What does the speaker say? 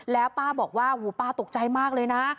แล้วป้าบอกว่าหูป้าตกใจมากเลยนะ